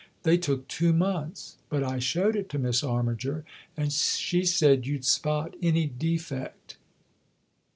They took two months. But I showed it to Miss Armiger and she said you'd spot any defect."